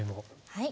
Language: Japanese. はい。